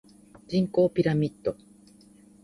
人口ピラミッド